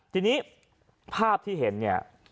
ทีนี้ภาพที่เห็นเนี่ย